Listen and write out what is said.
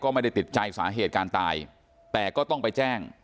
ไม่ได้ติดใจสาเหตุการตายแต่ก็ต้องไปแจ้ง